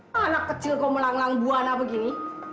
ya anak kecil kamu langlang buana begini